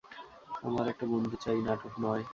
আমার একটা বন্ধু চাই, নাটক নয়।